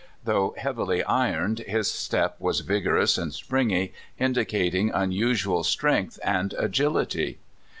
Though heavily ironed, his step was vigorous and springy, indicating unusual strength and agility.